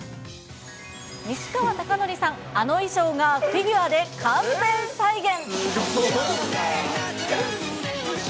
西川貴教さん、あの衣装がフィギュアで完全再現。